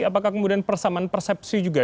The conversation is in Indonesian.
apakah kemudian persamaan persepsi juga